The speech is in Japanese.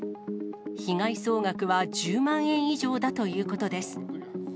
被害総額は１０万円以上だということです。